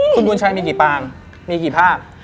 คุณบุญชัยมีกี่ภาพ